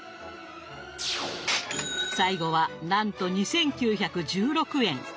最後はなんと２，９１６円。